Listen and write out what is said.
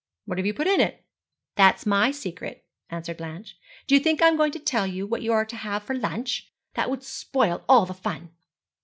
'What have you put in?' 'That's my secret,' answered Blanche. 'Do you think I am going to tell you what you are to have for lunch? That would spoil all the fun.'